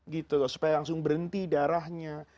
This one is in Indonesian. gitu loh supaya langsung berhenti darahnya